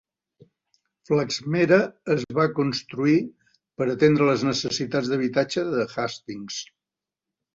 Flaxmere es va construir per atendre les necessitats d'habitatge de Hastings.